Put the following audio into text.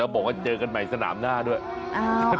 บอกว่าเจอกันใหม่สนามหน้าด้วยอ่า